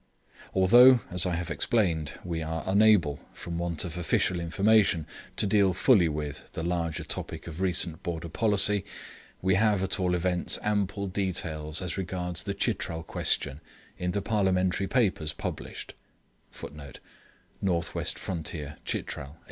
Although, as I have explained, we are unable, from want of official information, to deal fully with, the larger topic of recent border policy, we have, at all events, ample details as regards the Chitral question in the Parliamentary Papers published [Footnote: North West Frontier, Chitral, 1895.